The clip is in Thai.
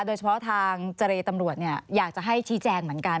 โดยเฉพาะทางเจรตำรวจอยากจะให้ชี้แจงเหมือนกัน